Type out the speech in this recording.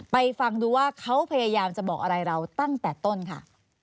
ฟังดูว่าเขาพยายามจะบอกอะไรเราตั้งแต่ต้นค่ะ